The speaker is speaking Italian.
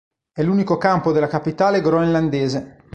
È l'unico campo della capitale groenlandese.